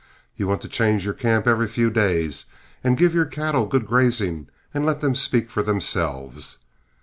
You want to change your camp every few days and give your cattle good grazing and let them speak for themselves.